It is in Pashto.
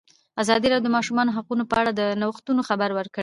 ازادي راډیو د د ماشومانو حقونه په اړه د نوښتونو خبر ورکړی.